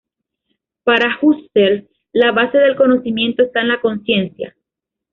Para Husserl, la base del conocimiento está en la conciencia.